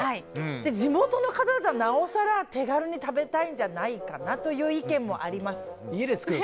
地元の方だったらなおさら手軽に食べたいんじゃないかなという意見もあります。